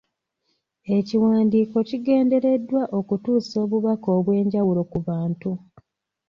Ekiwandiiko kigendereddwa okutuusa obubaka obw’enjawulo ku bantu.